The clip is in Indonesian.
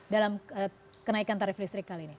dalam kenaikan tarif listrik kali ini